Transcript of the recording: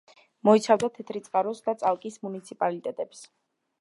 მოიცავდა თეთრიწყაროს და წალკის მუნიციპალიტეტებს.